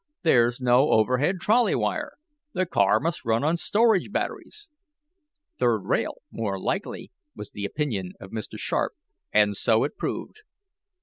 "There's no overhead trolley wire. The car must run on storage batteries." "Third rail, more likely," was the opinion of Mr. Sharp and so it proved.